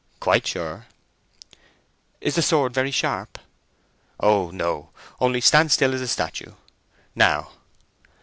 "Quite sure." "Is the sword very sharp?" "O no—only stand as still as a statue. Now!"